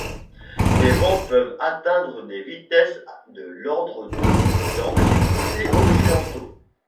Les vents peuvent atteindre des vitesses de l'ordre de dans les comtés occidentaux.